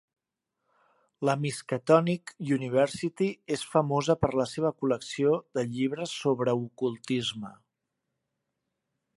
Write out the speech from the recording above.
La Miskatonic University és famosa per la seva col·lecció de llibres sobre ocultisme.